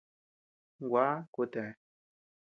Gua, kutea.